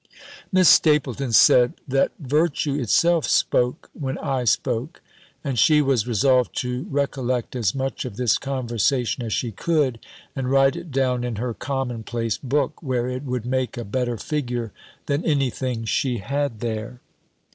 Miss Stapylton said, that virtue itself spoke when I spoke; and she was resolved to recollect as much of this conversation as she could, and write it down in her common place book, where it would make a better figure than any thing she had there.